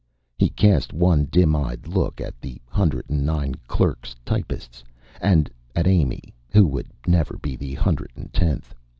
He cast one dim eyed look at the hundred and nine "clerks, typists" and at Amy, who would never be the hundred and tenth.